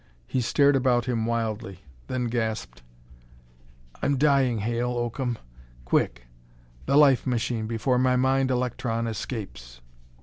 He stared about him wildly, then gasped: "I'm dying, Hale Oakham! Quick, the life machine, before my mind electron escapes."